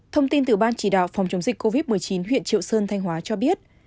thông tin từ ban chỉ đạo phòng chống dịch covid một mươi chín huyện triệu sơn thanh hóa cho biết